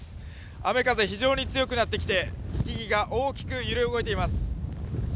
雨・風非常に強くなってきて木々が大きく揺れ動いています。